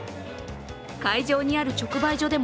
会場にある直売所でも